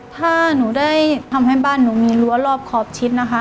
ถ้าหนูได้ทำให้บ้านหนูมีรั้วรอบขอบชิดนะคะ